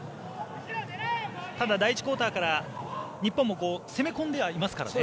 ただ、第１クオーターから日本も攻め込んではいますからね。